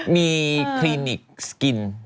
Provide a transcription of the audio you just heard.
มีคลินิกสกิน